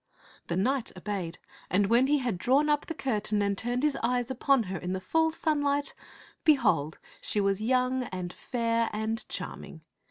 The knight obeyed; and when he had drawn up the curtain and turned his eyes upon her in the full sunlight, behold, she was young and fair and charm ing.